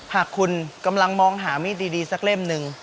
หากคุณกำลังมองหามีดดีสักเล่มหนึ่ง